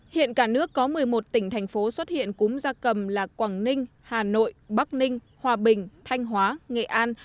hiện cả nước có một mươi một tỉnh thành phố xuất hiện cúm gia cầm là quảng ninh hà nội bắc ninh hòa bình thanh hóa nghệ an